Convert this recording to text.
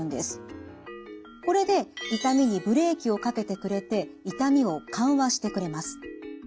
これで痛みにブレーキをかけてくれて痛みを緩和してくれます。